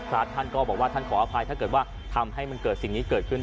พระท่านก็บอกว่าท่านขออภัยถ้าเกิดว่าทำให้มันเกิดสิ่งนี้เกิดขึ้น